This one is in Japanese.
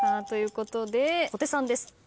ということで小手さんです。